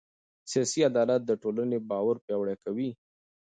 سیاسي عدالت د ټولنې باور پیاوړی کوي